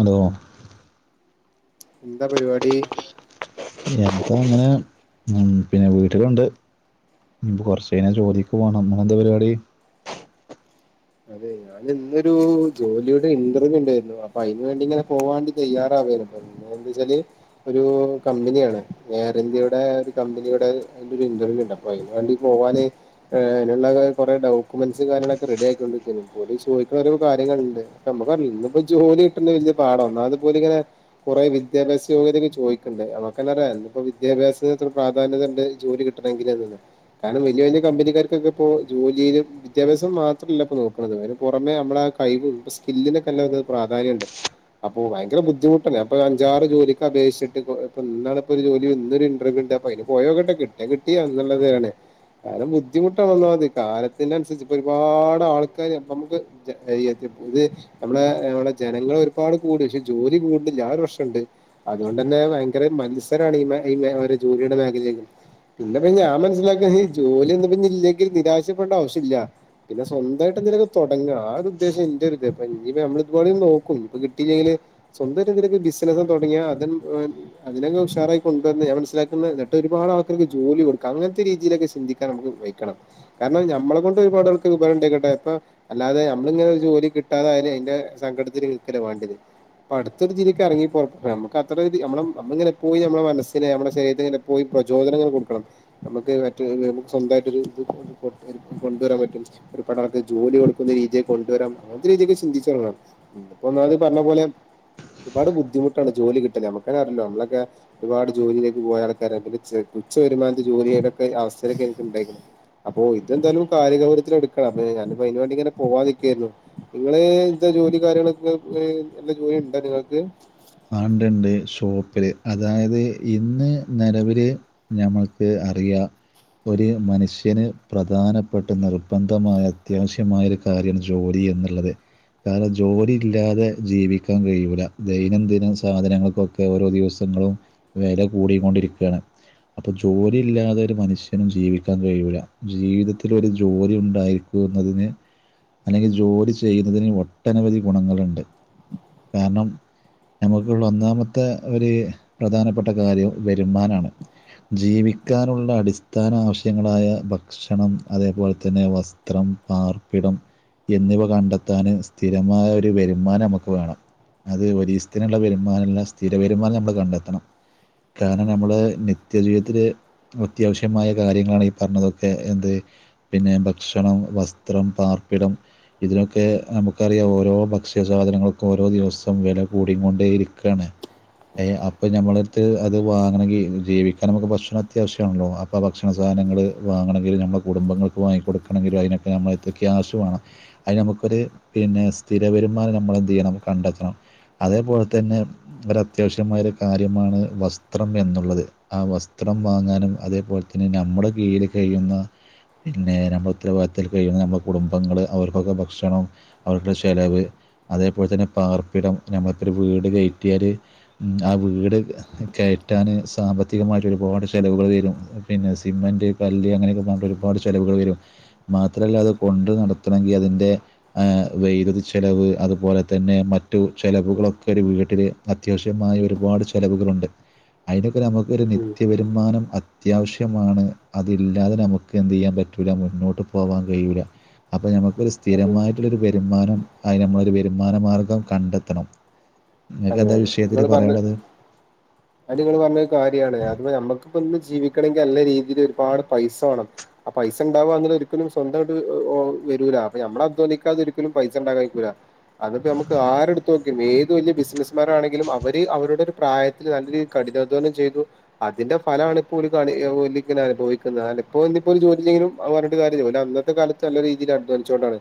Hello എന്താ പര് വാടി? എന്താ അങ്ങെനെ ഉം പിന്നെ വീട്ടിലുണ്ട്. ഉംപ്പൊ കൊർച്ച് കഴ്‌ഞ്ഞ ചോലിക്ക് പോണം ഇങ്ങളെന്താ പരിപാടി അതെ ഞാൻ ഇന്നൊരു ജോലിയുടെ ഇന്റർവ്യൂ ഇണ്ടായിരുന്നു അപ്പൊ അയ്ന് വേണ്ടി ഇങ്ങെനെ പോവാണ്ടി തെയ്യാറാവെര്ന്നു. എന്താവെച്ചാല് ഒരു കമ്പനിയാണ് എയർ ഇന്ത്യയുടെ ഒരു കമ്പനിയുടെ അയ്ന്റൊരു ഇന്റർവ്യൂ ഇണ്ട് അപ്പോ അയ്ന് വേണ്ടി പോവാന് ഏഹ്, അയ്നുള്ള കൊറെ ഡോക്യുമെന്റ്സും കാര്യങ്ങളൊക്കെ റെഡി ആക്കിക്കൊണ്ടിരിക്കെനു. പോല ചോദിക്കുന്ന ഓരോ കാര്യങ്ങള്ണ്ട് നമ്മക്ക് ഇന്നിപ്പോ ജോലി കിട്ടണങ്കി വലിയ പാട ഒന്നാമത് ഓല് ഇങ്ങനെ കുറെ വിദ്യാഭ്യാസ യോഗ്യതക്കെ ചോയിക്ക്ണ്ട് നമ്മക്കനെ അറിയ ഇന്ന് ഇപ്പോ വിദ്യാഭ്യാസത്തിന് പ്രാധാന്യത ഉണ്ട് ജോലി കിട്ട കിട്ടണങ്കില്ന്ന് കാരണം വലിയ വലിയ കമ്പനിക്കർക്കൊക്കെ ഇപ്പോ ജോലിയില് വിദ്യാഭ്യാസം മാത്രല്ല ഇപ്പോ നോ പുറമെ നമ്മളെ ആഹ് കയിവ് ഇപ്പോ സ്കില്ലിന്ക്ക പ്രാധാന്യ ഉണ്ട്. അപ്പൊ ഭയങ്കര ബുദ്ധിമുട്ടന്നെ അഞ്ചാറ് ജോലിക്ക് അപക്ഷിച്ചിട്ട് ഇപ്പോ ഒരു ജോലി ഇന്ന് ഒരു ഇറർവ്യു ഉണ്ട അയിന് പോയോക്കട്ടെ കിട്ടിയാ കിട്ടി അങ്ങനെള്ള കാലം ബുദ്ധിമുട്ടാ ഒന്നാമത് കാലത്തിന് അനുസരിച്ച് ഇപ്പൊ ഒരുപാട് ആള് നമുക്ക് [unintelligible] നമ്മളെ നമ്മെ ജനങ്ങള് ഒരുപാട് കൂടി പക്ഷെ ജോലി കൂട്ണില്ല ആഹ് ഒരു പ്രശനണ്ട്. അതുകൊണ്ടന്നെ ഭയങ്കര മത്സരാണ് ഈ മേ മേ ഈ ഒരു ജോലിയുടെ മേഖലയില്. പിന്നെ ഇപ്പോ ഞാൻ മനസ്സിലാക്കാ ഈ ജോലിയൊന്നു ഇഞ്പ്പ ഇല്ലെങ്കി നിരാശ്യപ്പെടണ്ട ആവശ്യല്ല. പിന്നെ സ്വന്തായി ട്ടെ എന്തെങ്കിലൊക്കെ തൊടങ്ങ ആ ഒരു ഉദേശ ഇന്റെ ഒരു ഇത് ഇപ്പോ ഇഞ്പ്പോ നമ്മള് ഇതുംമ്പാടിയൊന്നു നോക്കും ഇപ്പൊ കിട്ടിയില്ലെങ്കില് സ്വന്തായിട്ട് എന്തെങ്കിലൊക്കെ ബിസിനസ്സ് തൊടങ്ങിയ അ അതിനൊക്കെ ഉഷാറായി കൊണ്ടുവന്ന് ഞാൻ മനസ്സിലാക്കുന്ന എന്ന്ട്ട് ഒരുപാട് ആൾക്കര്ക്ക് ജോലി കൊടുക്ക അങ്ങൻത്തെ രീതിയിലൊക്കെ ചിന്തി നമ്മക്ക് വെയ്ക്കണം കാരണം നമ്മളെ കൊണ്ട് ഒരുപാട് ആൾക്ക് ഒരു ഉപകാരം ഇണ്ടായിക്കോട്ടെ. അപ്പോ അല്ലാതെ ഞമ്മള് ഇങ്ങനെ ഒരു ജോലി കിട്ടാതായല് അയിന്റെ സങ്കടത്തിൽ നിക്കല്ല വാണ്ടിയെത്. ഇപ്പടുത്തൊരിത്തില്ക്ക് എറങ്ങി പൊറ അമ്മക്ക് അത്ര ഒരി അമ്മളെ അമ്മള് ഇങ്ങനെ എപ്പോയും ഞമ്മളെ മനസ്സിനെ ഞമ്മളെ ശരീരത്തിനെ ഇങ്ങനെ പോയി പ്രചോദനങ്ങനെ കൊടുക്കണം. ഞമ്മക്ക് മറ്റ് നമ്മുക്ക് സ്വന്തയിട്ട് ഒരു ഇത് കൊണ്ടുവരാൻ പറ്റും ഒരുപാട് ആ ജോലി കൊടുക്കുന്ന രീതിയെ കൊണ്ടുവരാം അങ്ങനത്തെ രീതിക്കെ ചിന്തിച്ചോളണം ഇത് ഇപ്പോ ഒന്നാമത് പറഞ്ഞ പോലെ. ഒരുപാട് ബുദ്ധിമുട്ടാണ് ജോലി കിട്ടാന് ഞമക്കനെ അറിയാല്ലോ ഞമ്മളക്കെ ഒരുപാട് ജോലിയിലേക്ക് പോയ ആൾക്കാര പിന്നെ തുച്ച വരുമാനത്തില് ജോലി ചെയ്തൊക്കെ അവസരൊക്കെ എനിക്ക് ഇണ്ടായിക്കണ്. അപ്പൊ ഇതെന്തായാലും കാര്യഗൗരവത്തിൽ എടുക്കണം അപ്പോ ഞാനിപ്പോ അതിന് വേണ്ടി ഇങ്ങനെ പോവാൻ നിക്കായിരുന്നു. ഇങ്ങള് എന്താ ജോലി കാര്യങ്ങളൊക്കെ ജോലി ഉണ്ടോ നിങ്ങക്ക്? ആ ഇണ്ട് ഇണ്ട് ഷോപ്പില് അതായത് ഇന്ന് നെലവില്. ഞമ്മക്ക് അറിയാ ഒരു മനുഷ്യന് പ്രധാനപ്പെട്ട് നിർബന്ധമായ അത്യാവശ്യമായ ഒര് കാര്യം ജോലി എന്നുള്ളത്. കാരണം ജോലി ഇല്ലാതെ ജീവിക്കാൻ കഴിയൂല ദൈനംദിന സാധനങ്ങക്കൊക്കെ ഓരോ ദിവസങ്ങളും വെല കൂടിക്കൊണ്ടിരിക്കാണ്. അപ്പൊ ജോലി ഇല്ലാതെ ഒരു മനുഷ്യനും ജീവിക്കാൻ കഴിയൂല ജീവിതത്തില് ഒരു ജോലി ഉണ്ടായി ന്നതിന് അല്ലെങ്കി ജോലി ചെയ്യുന്നതിന് ഒട്ടനവധി ഗുണങ്ങള്ണ്ട്. കാരണം. ഞമ്മക്കുള്ള ഒന്നാമത്തെ ഒരു പ്രധാനപ്പെട്ട കാര്യം വരുമാനാണ്. ജീവിക്കാനുള്ള അടിസ്ഥാന ആവശ്യങ്ങളായ ഭക്ഷണം അതേപോലെ തന്നെ വസ് ത്രം, പാർപ്പിടം എന്നിവ കണ്ടെത്താന് സ്ഥിരമായ ഒരു വെരുമാനം ഞമക്ക് വേണം. അത് ഒരീസ്തിനുള്ള വെരുമാനല്ല സ്ഥിര വെരുമാനം ഞമ്മള് കണ്ടെത്തണം. കാരണം നമ്മളെ നിത്യജീവിതത്തില് അത്യാവശ്യമായ കാര്യങ്ങളാണ് ഈ പറഞ്ഞതൊക്കെ എന്ത് പിന്നെ ഭക്ഷണം, വസ്ത്രം, പാർപ്പിടം. ഇതിനൊക്കെ നമുക്കറിയാം ഓരോ ഭക്ഷ്യസാധനങ്ങൾക്കും ഓരോ ദിവസം വെല കൂടി കൊണ്ടേ ഇരിക്കാണ്. ഏഹ് അപ്പൊ ഞമ്മളടുത്ത് അത് വാങ്ങണെങ്കി ജീവിക്കാൻ അമക്ക് ഭക്ഷണം അത്യാവിശ്യാണല്ലോ അ പ്പോ ഭക്ഷണാധനങ്ങള് വാങ്ങണെങ്കിൽ ഞമ്മളെ കുടുംബങ്ങക്ക് വാങ്ങി കൊടുക്കണങ്കിലും അതിനൊക്കെ ഞമ്മളെട്ത്ത് ക്യാഷ് വാണം. അതിന് നമുക്കൊരു പിന്നെ സ്ഥിര വരുമാനം നമ്മളെന്ത് ചെയ്യണം കണ്ടെത്തണം. അതേപോലെ തന്നെ ഒര അത്യാവിശ്യമായൊരു കാര്യമാണ് വസ്ത്രം എന്നുള്ളത്. ആ വസ്ത്രം വാങ്ങാനും അതേപോലെ തന്നെ നമ്മുടെ കീഴില് കഴിയുന്ന പിന്നെ ഞമ്മളെ ഉത്തരവാദിത്തത്തിൽ കഴിയുന്ന ഞമ്മളെ കുടുംബങ്ങള് അവർക്കൊക്കെ ഭക്ഷണം. അവരുടെ ചെലവ് അതേപോലെ തന്നെ പാർപ്പിടം ഞമ്മളിപ്പോ ഒരു വീട് കയറ്റിയാല്. ഉം ആ വീട്. കെയറ്റാന് സാമ്പത്തികമായിട്ട് ഒരുപാട് ചെലവുകൾ വെരും പിന്നെ സിമന്റ് കല്ല് അങ്ങനെയൊക്കെ പറഞ്ഞിട്ട് ഒരുപാട് ചെലവുകൾ വരും മാത്രല്ല അത് കൊണ്ട് നടത്തെണങ്കി അതിൻ്റെ ഏഹ് വെദ്യുതി ചെലവ് അതുപോലെ തന്നെ മറ്റു ചെലവുകളൊക്കെ ഒരു വീട്ടില് അത്യാവശ്യമായ ഒരുപാട് ചെലവുകളുണ്ട് അയിനൊക്കെ ഞമുക്ക് ഒരു ഉം നിത്യ വെ രുമാനം അത്യാവശ്യമാണ് അതില്ലാതെ നമുക്ക് എന്തയ്യാൻ പറ്റൂല മുന്നോട്ട് പോകൻ കയുല അപ്പഞമ്മക്ക് ര് സ് അതെ സ്ഥിരമായിട്ടുള്ളൊരു വരുമാനം അയിന് നമ്മളൊരു വരുമാനമാർഗം കണ്ടെത്തണം ങ്ങക്ക് അതെ എന്താ അതെ നിങ്ങൾ ഇവിഷയത്തില് പറഞ്ഞ പറയാനുള്ളത് അത് നിങ്ങള് പറഞ്ഞരു കാര്യണ് അത് നമ്മുക്കി ഇന്ന് ജീവിക്കണങ്കി നല്ല രീതിയിൽ ഒരുപാ ട്പൈസ വേണം ആഹ പൈസ ഉണ്ടവുക എന്നത് ഒരിക്ക ലും സ്വന്തമായിട്ട വരൂല അപ്പഞമ്മള അധ്വനിക്കാത ഒരിക്കലും പൈസ ഇണ്ടാകാ ൻ കയ്യുല അത്പ്പ നമക്ക് ആരടുത്ത് നോക്ക ഏത് വലിയ ബിസ് നസ്ന്മാര്ണെങ്കിലുംഅവര് അവരുടെ ഒരു പ്രായത്തില്നല്ല കഠിനാധ്വാനം ചെയ്തു അതിന്റെ ഫലണ് ഇപ്പോഒരു കണി അനുഭവിക്കുന്നത് ഇപ്പ ഇിപ്പോ ഒരു ജോലിചെതിങ്കലും പറഞ്ഞിട്ട് കാര്യം ഇല്ല ഓല് അന്ന് ത്തെ കാലത്ത് നല്ല രീതിയിൽ അധ്വാനിച്ചോണ്ടാണ്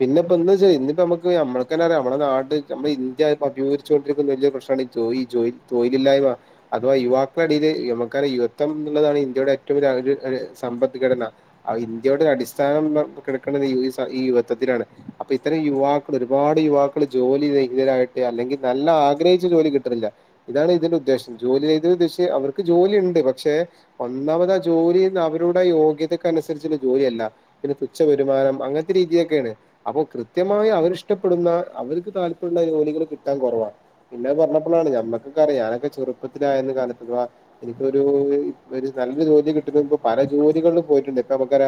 പിന്നെപ്പ ഇന്ന് ച്ചനമ്മുക്ക് നമ്മുക്ക ന്നെ റിയാ നമ്മുടെ നാട് നമ്മുടെ ഇ ന്ത്യ [unintelligible] ചോണ്ടിരിക്ക്ന്നവലിയ പ്രശ്ന മാണ് തൊയ്ജോയ് തെയ് ല്‌ല്ലായ്മ അഥവാ യുവാക്കളടയില് നമക്ക് റിയ യുവത്വം എന്നുള്ളതാണ് ഇന്ത്യയുടെ ഏറ്റവും വലിയസമ്പദ്ഘടന ആ ഇന്ത്യയുടെ അടിസ്ഥാനം കിടക്കണത് ഈ യുവത്വത്തിലാണ് അപ്പ ഇത്തറയും യുവാ ഒര്പാട് യുവാക്കള് ജോലി രഹിതരായിട്ട് അല്ലെങ്കി ന ല്ല ആഗ്രഹിചജോലി കിട്ടിന്നില്ല ഇതാണ് ഇതിന്റെ ഉദ്ദേശം ജോലി ചെയ്ത ദ്ദേശഅവർക്ക് ജോലിണ്ട് പക്ഷെ ഒന്നാമത ആ ജോലിന്ന അവരുടെ യോഗ്യതക്ക നുസരിച്ള്ള ജോലിയ അല്ല പിന്നെ തുച്ഛ വര്മാനം അങ്ങത്തെ രീതിയക്കെണ് അപ്പ കൃത്യമായി അവരിഷ്ടപ്പെട്ന്ന അവര്ക്ക് താല്പര്യള്ള ജോലികള് കിട്ടാൻ കൊറവാണ് പിന്നെ പറഞ്ഞപ്പളാണ് ഞമ്മക്ക് ക്കെഅിറിയ ഞാനൊക്കെ ചെറ്പ്പത്തിനായന്ന് കാലത്ത് വ എനിക്ക് ഒരു ഒര്നല്ലൊര് ജോലി കിട്ടുന്നു മ്പ് പല ജോലികളിലും പോയിട്ട്ണ്ട് ഇപ്പ നമക്കറിയ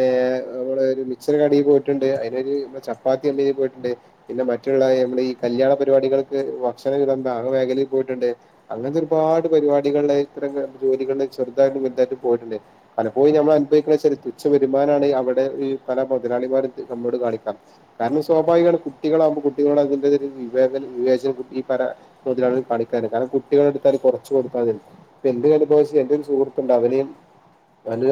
ഏ മ്മള ഒരു മിച്ചർ കടെപോട്ട്ണ്ട് അയ്നൊരു ചപ്പാത്തി മ്പിന് പോയിട്ട്ണ്ട് പിന്നെ മറ്റുള്ള നമ്മള ഈ കല്യാണ പരിപാടികൾക്ക് ഭക്ഷണ വിതംഭാഗ മേഖലയിൽ പോയിട്ട്ണ്ട് അങ്ങത്തെ ഒരുപാട് പരിപാടികളി ടെ ഇത്തര ജോലികളി ചെറുതായിട്ടും വെല്തായിട്ടും പോയിട്ടുണ്ട് പലപ്പോഴുംഞമ്മളഅനുഭവിക്കണ ചെല തുച്ഛ വരുമാനണ് അവിടെ ഈ പല മുതാളിമാര മ്മോട് കാണിക്കാ കാരണം സ്വാഭാവികമാണ് കുട്ടിള ആവുമ്പോ കുട്ടികളോ ട്അയിന്റെ തായ രീതി വിവേചനംബുദ്ധി പല മുതലളിമാര്കണിക്കാറ് കാരണംകുട്ടികളുടെ എടുത്താല് കൊറച്ച് കൊടുത്താ മതില്ലോ എൻ്റെ അനുഭവം വെച്ച് എന്റെ ഒരു സുഹൃത്തുണ്ട് അവന്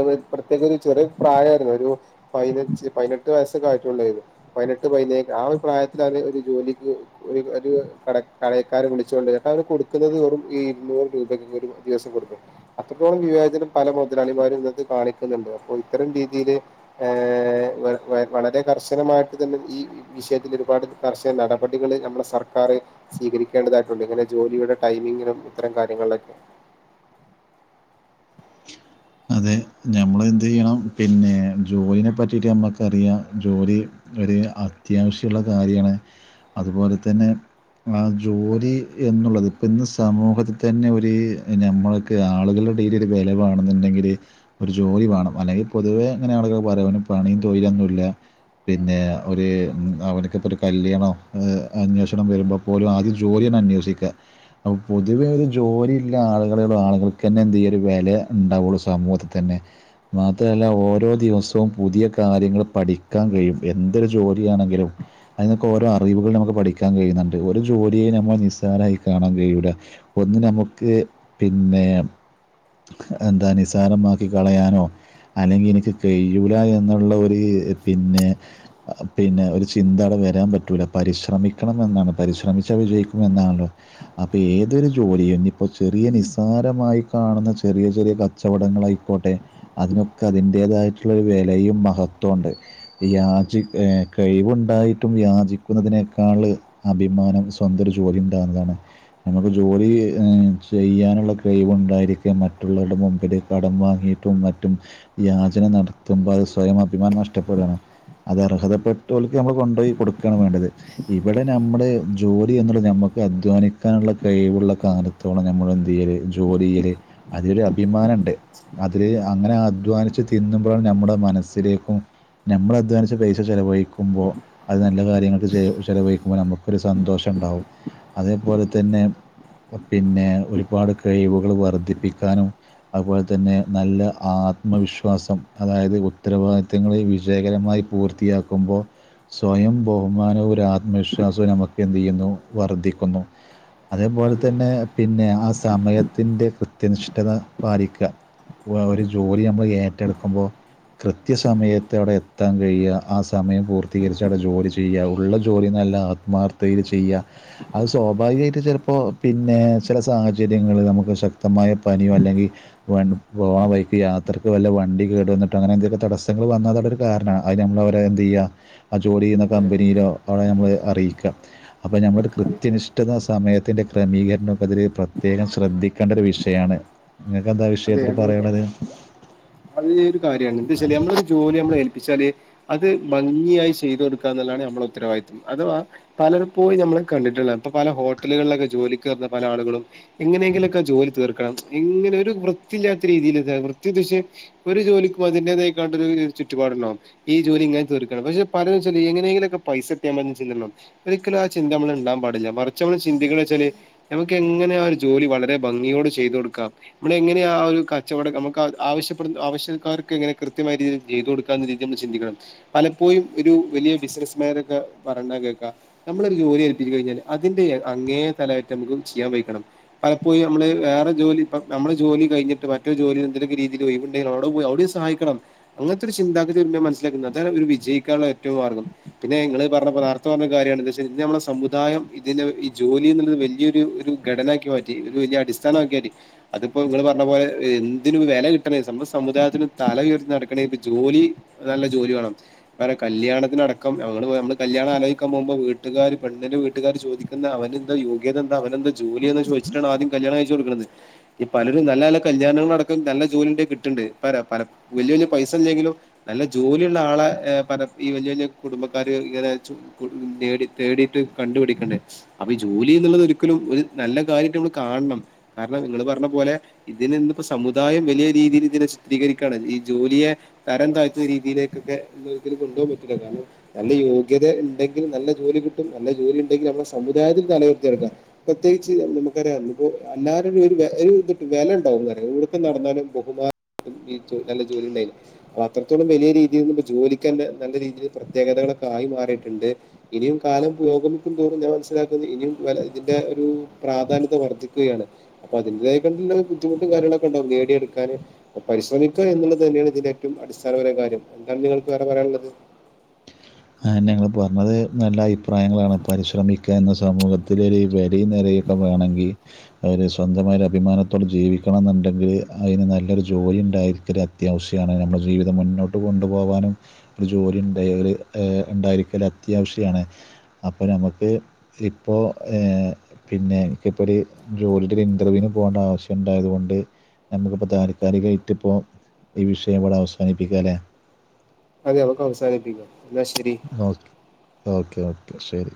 അവന്പ്രത്യേക ഒരു ചെറിയ പ്രായയിരുന്നു ഒരു പയിനെച് പയിനെട്ട് വയസ്സക്ക ആയിട്ടുള്ള യിന്പയിനെട്ട് പയിനേ ഴ്ആ ഒരു പ്രായത്തില ഒരു ജോലിക്ക് ഒരു ഒരു കട കളക്കാരെ വിളിച്ചു ണ്ട് ചട്ട അവര് കുടുക്കുന്നത് വെറും ഈ ന്നൂറ് രൂപക്കെ ഒര ദിസം കൊട്ക്ക അത്രത്തോളം വിവേചനം പല മുതലാളിമാരും ഇന്നത്ത് കാണിക്കന്നണ്ട് അപ്പ ഇത്തരം രീതിയില് ഏഹ വവളരെ കർശനമായിട്ട് തന്നെ ഈ വിശയത്തില് ഒര്പാട് കർശന നടപടി കുട്ടകളെ നമ്മുടെ സർക്കാർ സ്വീകരിക്കേണ്ടതായിട്ടുണ്ട് ഇങ്ങനെ ജോലിയുടെ ടൈമിങ്ങിനും ഇത്തരം കാര്യങ്ങളിലക്കെ [unintelligible] അതെ ഞനമ്മ ളെന്ത്യ്യണം പിന്നെ ജോലീനെ പറ്റിയിട്ട് നമ്മക്കറിയാം ജോലി ഒരു അത്യാവശ്യള്ള കാര്യണ് അതുപോലെ തന്നെ ആഹ ജോലി എന്നുള്ളത് ഇപ്പ ഇന്ന് സമൂഹത്തി തന്നെ ഒരുഞമ്മൾക്ക് ആളുകള എടയില് വിലവാണെന്നുണ്ടെങ്കില് ഒരു ജോലി വണം അല്ലങ്ക പൊതുവേ അങ്ങനണല്ലോ പറ യ്പണിയും തൊയിലൊന്നുല്ല പിന്നെ ഒരു അവനക്കിപ്പോ ഒരു കല്യാണം അന്വേഷണം വരുമ്പം പോലും ആദ്യം ജോലി യാണ് അന്വേഷി ക്ക അപ്പ പൊതുവേ ഒരു ജോലിയുള്ള ആളുകളെ ആ ള്കൾക്ക് തന്നെ എന്ത് യ്യ വെല ഉണ്ടാവുള്ളൂ സമൂഹത്തി തന്നെ മാത്രല്ല ഓരോ ദിവസവും പുതിയ കാര്യങ്ങൾ പഠിക്കാൻ കയും എന്തൊരു ജോലിയാണെങ്കിലും അയിന്നൊക്കെ ഓരോ അറിവുകൾ നമുക്ക് പഠിക്കാൻ കഴിയുന്നുണ്ട് ഒരു ജോലിയും നമ്മൾ നിസ്സാരായി കാണാൻ കയ്യൂല ഒന്ന് നമുക്ക് പിന്നെ എന്താ നിസാരമാക്കി കളയാനോ അല്ലെങ്കി എനിക്ക് കെയ്യൂല എന്നുള്ള ഒര് പിന്നെ പിന്നെ ഒരു ചിന്ത ആടെ വരാൻ പറ്റൂല പരിശ്രമിക്കണം എന്നാണ് പരിശ്രമിച്ചാ വിജയിക്കുമെന്നാണല്ലോ അപ്പൊ ഏതൊരു ജോലിയും ഇഞ്പ്പം ചെറിയ നിസ്സാരമായി കാണുന്ന ചെറിയ ചെറിയ കച്ചവടങ്ങളായിക്കോട്ടെ അതിനൊക്കെ അതിന്റേതായിട്ടുള്ള ഒരു വെലയും മഹത്വവും ഉണ്ട് യാചി ഏഹ് കഴിവുണ്ടായിട്ടും യാചിക്കുന്നതിനേക്കാള് അഭിമാനം സ്വന്തൊര് ജോലി ഉണ്ടാകുന്നതാണ് നമുക്ക് ജോലി ചെയ്യാനുള്ള കഴിവുണ്ടായിരിക് മറ്റുള്ളവരുടെ മുമ്പിൽ കടം വാങ്ങിയിട്ടും മറ്റും യാജന നടത്തുമ്പൊ അത് സ്വയം അഭിമാനം നഷ്ടപ്പെടാണ് അത് അർഹതപ്പെട്ടോൽക്ക് നമ്മൾ കൊണ്ടോയി കൊടുക്കാണ് വേണ്ടത് ഇവടെ നമ്മുള് ജോലി എന്നുള്ള നമ്മുക്ക് അധ്വാനിക്കാനുള്ള കഴിവുള്ള കാലത് ത്തോള ഞമ്മളെന്തെയ്യല് ജോലി ചെയ്യല് അതിലൊരു അഭിമാനംണ്ട് അതില് അങ്ങനെ അധ്വാനിച്ച് തിന്നുമ്പഴാണ് നമ്മുടെ മനസ്സിലേക്കും ഞമ്മളധ്വാനിച്ച പൈസ ചെലവഴിക്കുമ്പോ അത് നല്ല കാര്യങ്ങൾക് ചെലവഴിക്കുമ്പോ നമുക്കൊരു സന്തോഷണ്ടാവും അതേപോലെ തന്നെ പിന്നെ ഒരുപാട് കഴിവുകൾ വർധിപ്പിക്കാനും അതുപോലെ തന്നെ നല്ല ആത്മവിശ്വാസം അതായത് ഉത്തരവാദിത്വങ്ങള് വിജയകരമായി പൂർത്തിയാക്കുമ്പോ സ്വയം ബഹുമാനവും ഒരു ആത്മവിശ്വാസവും നമുക്കെന്തെയ്യുന്നു വർധിക്കുന്നു അതേപോലെ അതെ തന്നെ പിന്നെ ആഹ സമയത്തിന്റെ കൃത്യനിഷ്ഠത പാലിക്ക ഒരു ജോലി നമ്മള് ഏറ്റെടുക്കുമ്പോ കൃത്യസമയത്ത് അവടെ എത്താൻ കഴിയ ആഹ സമയം പൂർത്തീകരിച്ച് അവടെ ജോലി ചെയ്യ ഉള്ള ജോലി ന്നല്ല ആത്മ് മാർത്തയില് ചെയ്യ അത് സ്വാഭാവികമായിട്ട് ചെലപ്പോ പിന്നെ ചെല സാഹചര്യങ്ങളാ നമുക്ക് ശക് ക്തമായ പനിയോ അല്ലെങ്കി വൺ പോവാൻ വൈക്ക് യാത്രക്ക് വല്ല വണ്ടി കേട് വന്നിട്ടൊ അങ്ങനെ ന്തേകെ തടസ്സങ്ങൾ വന്നാ അതവടൊര് കാരണമാണ് അത് നമ്മളവരെ എന്തെയ്യാ ആഹ ജോലി ചെയ്യുന്ന കമ്പനിയിലോ അവടെ ഞമ്മള് അറിയിക്ക അപ്പം ഞങ്ങട്ട് കൃത്യനിഷ്ഠത സമയത്തിൻ്റെ ക്രമീകരണൊക്കെതീല് പ്രത്യേകം ശ്രദ്ധിക് കണ്ടൊരു വിഷയാണ് ഇങ്ങകെന്താ അതെ അത് ഒരു കാര്യാണ് എന്താച്ചാല് നമ്മളെ ഒരു ജോലി നമ്മള് ഏൽപ്പിച്ചാല് അത് ഭംഗിയായി ചെയ്തൊട്ക്ക എന്നുള്ളതാണ് നമ്മളെ ഉത്തരവാദിത്വം അഥവാ പലർപോയും ഞമ്മള് കണ്ടിട്ടുള്ളാണ് ഇപ്പൊ പല ഹോട്ടലുകളിലൊക്കെ ജോലി കേറുന്ന പല ആളുകളും എങ്ങനെയെങ്കിലൊക്കെ ജോലി തീർക്കണം ഏങ്ങനെ ഒരു വൃത്തിയില്ലാത്ത രീതിയില്താണ് വൃത്തി ഉദ്ദേഷിചെ ഒരു ജോലിക്കും അതിന്റേതായിക്കാണ്ട് ഒരൊരു ചുറ്റുപാടുണ്ടാവും ഈ ജോലി ഇങ്ങനെ തീക്കണം പക്ഷെ പലരുംചാല് എങ്ങനെങ്കിലൊക്കെ പൈസട്യാ മതിന്ന് ചിന്തണ്ടാവും ഒരിക്കലും ആഹ ചിന്ത നമ്മളെ ഇണ്ടാവാൻ പാടില്ല മറിച്ച് അമ്മള് ചിന്തികല്ച്ചാല് നമുക്ക് എങ്ങനെ ആഹ ഒരു ജോലി വളരെ ഭംഗിയോടെ ചെയ്തൊട്ക്കാം [unintelligible] എങ്ങനെ ആഹ ഒരു കച്ചവടം നമുക്ക് ആവശ്യപ്പെടുന്ന ആവശ്യക്കർക്ക് എങ്ങനെ കൃത്യമായ രീതിയിൽ ചെയ്തൊടുക്കാംന്ന രീതീൽ നമ്മൾ ചിന്തിക്കണം പലപ്പോഴും ഒരു വലിയ ബിസിനസ്മാരൊക്കെ പറയുന്ന കേൾക്കാ നമ്മളൊരു ജോലി ഏല്പ്പിച്ചു കഴിഞ്ഞാൽ അതിന്റെ അങ്ങേ തലായിട്ട് നമുക്ക് ചെയ്യാൻ വെയ്ക്കണം പലപ്പോഴും അമ്മള് വേറെ ജോലിപ്പം നമ്മള് ജോലി കഴിഞിട്ട് മറ്റൊര് ജോലി എന്തേലൊക്കെ രീതീല് ഒയിവ്ണ്ടെല് അവടെ പോയി അവടിം സഹായിക്കണം അങ്ങൻത്തൊരു ചിന്താഗതി മനസ്സിലാക്കുന്നത് അതാണ് ഒരു വിജയിക്കാനുള്ള ഏറ്റവും മാർഗം പിന്നെ ങ്ങള് പറഞ്ഞപ്പോലെ നേർത്തെ പറഞ്ഞ കാര്യാണ് എന്താ വച്ചാല് ഇന്ന് നമ്മുടെ സുദായം ഇതിനേ ഈ ജോലി എന്നുള്ളത് വെല്ല്യരു ഒരു ഘടനാക്കി മാറ്റി ഇത് വെല്ല്യൊരു അടിസ്ഥാനമാക്കി മാറ്റി ഇപ്പൊ ഇങ്ങള് പറഞ്ഞ പോലെ എന്തിനും വില കിട്ടണേ നമ്മുടെ സമുദായത്തിന് തല ഉയർത്തി നടക്കണെങ്ക ഇപ്പ ജോലി നല്ല ജോലി വേണം ഞാൻ പറയാ കല്യാണത്തിന് അടക്കംനമ്മൾ കല്യാണം ആലോചിക്കാൻപോകുമ്പോ വീട്ടുക്കാർ പെണ്ണിന്റെ വീട്ടുക്കാർ ചോദിക്കും പിന്നെ അവനെന്താ യോഗ്യത എന്താ അവനുന്താ ജോലി എന്ന് ചോദിച്ചിട്ടാണ് ആദ്യം കല്യാണം കഴിപ്പിച്ചു കൊടുക്കുന്നത് ഈ പലരും നല്ല നല്ല കല്യാണങ്ങളൾടക്കം നല്ല ജോലി ഉണ്ട് കിട്ടുന്നുണ്ട് വലിയ വലിയ പൈസ ഇല്ല്യേലും ഇല്ലെങ്കിലും നല്ല ജോലിയുള്ള ആളെ എഹ പല ഈ വലിയ വലിയ കുടുംബക്കാർ ഇങ്ങനെ ചോയ് തേടിയിട്ട് കണ്ടുപിടിക്കുന്നെ അപ്പൊ ഈ ജോലി എന്നുള്ളത് ഒരിക്കലും ഒരു നല്ല കാര്യയിട്ട് നമ്മൾ കാണണം കാരണം നിങ്ങള് പറഞ്ഞ അതുപോലെ ഇത് ഇന്ന് ഇപ്പോ സമുദായം വലിയ രീതിയിൽ ഇതിനെ ചിത്രീകരിക്കാണ് ഈ ജോലിയെ തരംതയത്തിയ രീതിയിൽ ഒക്കെ കൊണ്ടുപോകാൻ പറ്റില്ല്യ ല്ലോ നല്ല യോഗ്യത ഉണ്ടെങ്കിൽ നല്ല ജോലി കിട്ടും നല്ല ജോലി ഉണ്ടെങ്കിൽ നമ്മുടെ സമുദായത്തിൽ തലയുയർത്തി നടക്കാലോ പ്രത്യേകിച്ച് നമുക്കറിയാം ഇപ്പൊ എല്ലാരും ഒരു വിലുണ്ടാവും പറ ഓടക്ക് നടന്നാലും ബഹുമാന നല്ല ജോലി ഉണ്ടായി അപ്പൊ അത്രത്തോളം വലിയ രീതിയിൽ ന ജോലിക്ക് തന്നെ നല്ല രീതിയിൽ പ്രത്യേകതകളൊക്കെ ആയി മാറിയിട്ടുണ്ട് ഇനിയും കാലം പുരോഗമിക്കും തോറും ഞാൻ മനസ്സിലാക്കുന്നു ഇനിയും വ ഇതിന്റെ ഒരു പ്രാധാന്യത വർദ്ധിക്കുകയാണ് അപ്പൊ അതിന്റെതക്കൊണ്ട്ുള്ള ബുദ്ധിമുട്ടും കാര്ങ്ങളൊക്കെ ഉണ്ടാവും നേടിയടുക്കാന് അപ്പ പരിശ്രമിക്കുക എന്നുള്ളത് തന്നെയാണ് ഇതിന്റെ ഏറ്റവും അടിസ്ഥാനപര കാര്യം എന്താണ് നിങ്ങൾക്ക് വേറെ പറയാനുള്ളത് ഞങ്ങൾ പറഞ്ഞത് നല്ല അഭിപ്രായങ്ങളാണ് പരിശ്രമിക്കുക എന്ന സമൂഹത്തിലൊ ഒരു വെലിയ നിലയൊക്കെ വേണെങ്കിൽ അവര് സ്വന്തമായ ഒരു അഭിമാനത്തോട്ടെ ജീവിക്കണം എന്നുണ്ടെങ്കില് അതിന് നല്ലൊരു ജോലി ഉണ്ടായിരിക്കൽ അത്യാവശ്യമാണ് നമ്മുടെ ജീവിതം മുന്നോട്ട് കൊണ്ടുപോകാനും ഒരു ജോലിയുണ്ടായാൽ ഉണ്ടായിരിക്കൽ അത്യാവശ്യമാണ് അപ്പോൾ നമുക്ക് ഇപ്പോൾ പിന്നെ എനിക്കിപ്പ ഒരു ജോലിടെ ഒരു ഇന്റർവ്യൂവിന് പോകേണ്ട ആവശ്യം ഉണ്ടായത് കൊണ്ട് നമുക്കിപ്പോ താൽക്കാലികമായിട്ട് ഇപ്പോ ഈ വിഷയം ഇവിടെ അവസാനിപ്പിക്ക ലെ അതെ നമുക്ക് അവസാനിപ്പിക്കാം എന്നാ ശരി ഓക്കെ ഓക്കെ ശരി